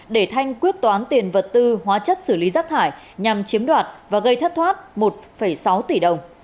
để thanh quyết toán tiền vật tư hóa chất xử lý rác thải nhằm chiếm đoạt và gây thất thoát một sáu tỷ đồng